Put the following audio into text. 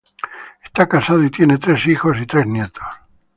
Está casado y tiene tres hijos y tres nietos.